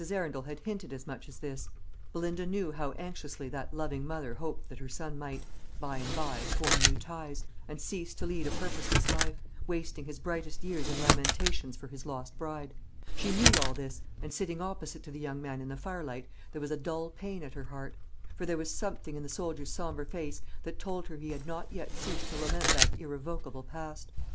Arundel had hinted as much as this. Belinda knew how anxiously that loving mother hoped that her son might, by and by, form new ties, and cease to lead a purposeless life, wasting his brightest years in lamentations for his lost bride: she knew all this; and sitting opposite to the young man in the firelight, there was a dull pain at her heart; for there was something in the soldier's sombre face that told her he had not yet ceased to lament that irrevocable past.